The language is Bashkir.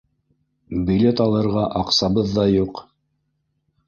Билет алырға аҡсабыҙ ҙа юҡ.